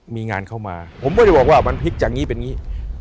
มีงานเข้ามาผมไม่ได้บอกว่ามันพลิกจากงี้เป็นงี้